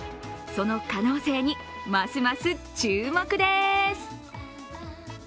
その可能性に、ますます注目です。